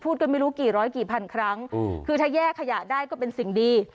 กันไม่รู้กี่ร้อยกี่พันครั้งคือถ้าแยกขยะได้ก็เป็นสิ่งดี